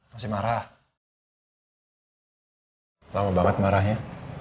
masih marah lama banget marahnya